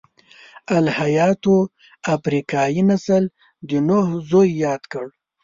الهیاتو افریقايي نسل د نوح زوی یاد کړ.